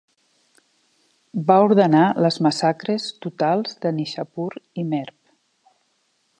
Va ordenar les massacres totals de Nishapur i Merv.